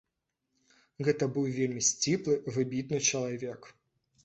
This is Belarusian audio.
Гэта быў вельмі сціплы, выбітны чалавек.